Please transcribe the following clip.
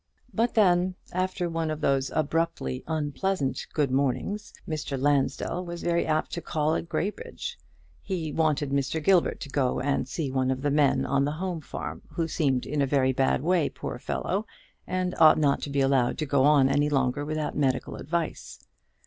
But then, after one of those abruptly unpleasant "good mornings," Mr. Lansdell was very apt to call at Graybridge. He wanted Mr. Gilbert to go and see one of the men on the home farm, who seemed in a very bad way, poor fellow, and ought not to be allowed to go on any longer without medical advice.